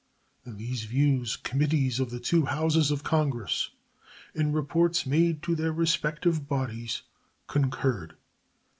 In these views committees of the two Houses of Congress, in reports made to their respective bodies, concurred.